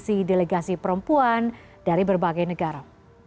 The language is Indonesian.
pada transaksi delegasi perempuan dari berbagai negara